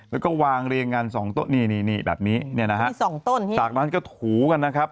แล้วก็วางเรียงกันสองต้นนี่นี่แบบนี้เนี่ยนะฮะมีสองต้นจากนั้นก็ถูกันนะครับ